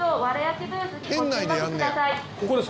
ここです